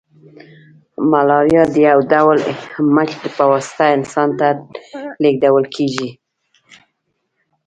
ملاریا د یو ډول مچ په واسطه انسان ته لیږدول کیږي